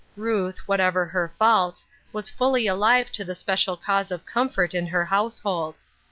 Ruth, whatever her faults, was fully alive to the special cause of comfort in her household.